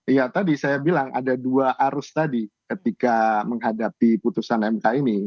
iya tadi saya bilang ada dua arus tadi ketika menghadapi putusan mk ini